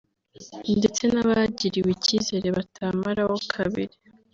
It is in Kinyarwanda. ndetse n’abagiriwe icyizere batamaraho kabiri